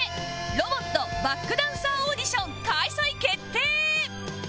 『ロボット』バックダンサーオーディション開催決定！